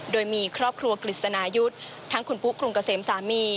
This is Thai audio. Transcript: โดยมีครอบครัวกฤษณายุทธ์ทั้งคุณปุ๊กรุงเกษมสามี